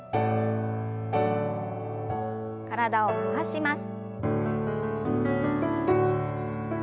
体を回します。